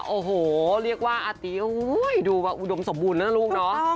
โอ้โหเรียกว่าอาตีดูว่าอุดมสมบูรณ์แล้วนะลูกเนอะ